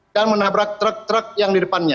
dan menabrak truk truk yang di depannya